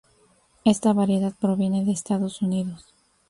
Esta variedad proviene de Estados Unidos.